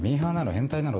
変態なの？